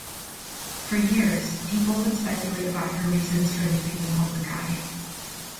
For years, people would speculate about her reasons for leaving the public eye.